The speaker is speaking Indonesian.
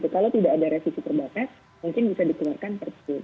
kalau tidak ada revisi terbatas mungkin bisa dikeluarkan perpu